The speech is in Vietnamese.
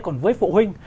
còn với phụ huynh